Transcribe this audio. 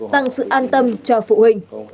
tăng sự an tâm cho phụ huynh